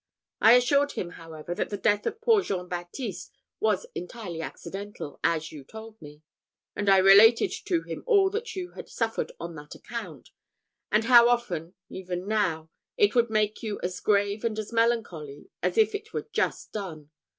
I assured him, however, that the death of poor Jean Baptiste was entirely accidental, as you told me; and I related to him all that you had suffered on that account, and how often, even now, it would make you as grave and as melancholy as if it were just done.